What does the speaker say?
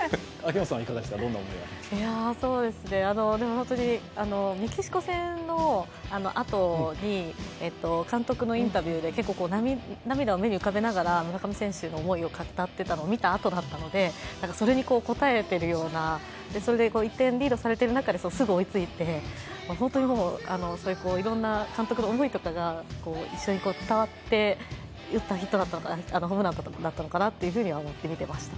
本当にメキシコ戦のあとに、監督のインタビューで結構涙を目に浮かべながら、村上選手への思いを語っていたのを見たあとだったので、それに応えてるようなそれで１点リードされている中で、追いついて、いろんな監督の思いとかが一緒に伝わって、打ったホームランだったのかなと思って見てました。